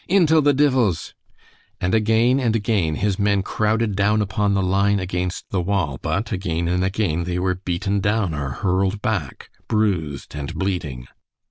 "Intil the divils!" And again and again his men crowded down upon the line against the wall, but again and again they were beaten down or hurled back bruised and bleeding.